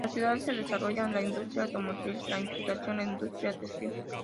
En la ciudad se desarrollan la industria automotriz, la computación y la industria textil.